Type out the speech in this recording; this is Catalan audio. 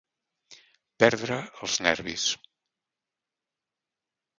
Perdre els nervis.